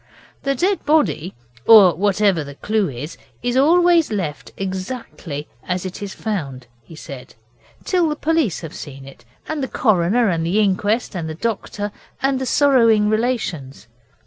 'The dead body, or whatever the clue is, is always left exactly as it is found,' he said, 'till the police have seen it, and the coroner, and the inquest, and the doctor, and the sorrowing relations.